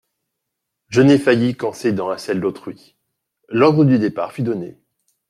Je n'ai failli qu'en cédant à celles d'autrui.» L'ordre du départ fut donné.